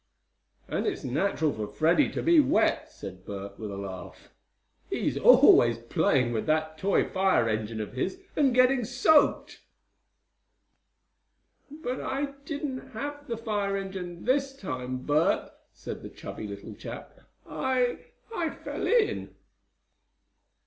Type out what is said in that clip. "And it's natural for Freddie to be wet;" said Bert, with a laugh. "He's always playing with that toy fire engine of his, and getting soaked." "But I didn't have the fire engine this time, Bert," said the chubby little chap. "I I fell in!"